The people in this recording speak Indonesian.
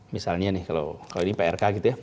misalnya nih kalau ini prk gitu ya